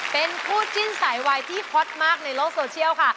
เป็นคู่จิ้นสายวายที่ฮอตมากในโลกโซเชียลค่ะ